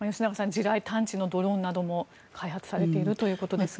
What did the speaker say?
地雷探知のドローンなども開発されているということですが。